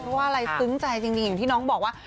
เพราะว่าอะไรซึ้งใจจริงอย่างที่น้องบอกว่า